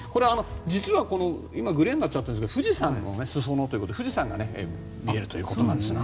実は、今、グレーになっちゃってるんですが富士山の裾野ということで富士山が見えるということです。